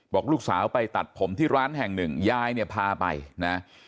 บอกลูกสาวไปตัดผมที่ร้านแห่งหนึ่งยายเนี่ยพาไปนะ